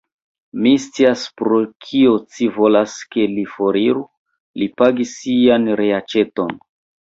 Mi scias, pro kio ci volas, ke li foriru: li pagis sian reaĉeton.